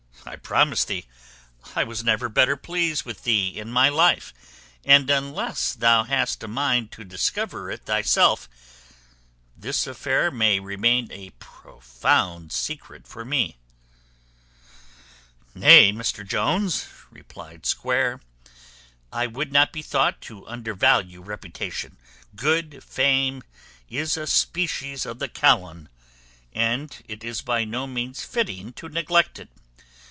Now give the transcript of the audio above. I promise thee, I was never better pleased with thee in my life; and unless thou hast a mind to discover it thyself, this affair may remain a profound secret for me." "Nay, Mr Jones," replied Square, "I would not be thought to undervalue reputation. Good fame is a species of the Kalon, and it is by no means fitting to neglect it.